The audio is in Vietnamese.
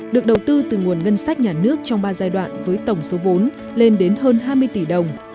được đầu tư từ nguồn ngân sách nhà nước trong ba giai đoạn với tổng số vốn lên đến hơn hai mươi tỷ đồng